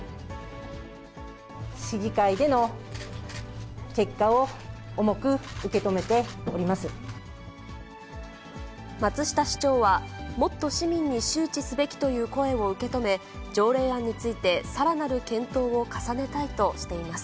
市議会での結果を重く受け止松下市長は、もっと市民に周知すべきという声を受け止め、条例案について、さらなる検討を重ねたいとしています。